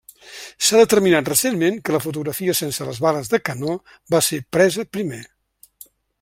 S'ha determinat recentment que la fotografia sense les bales de canó va ser presa primer.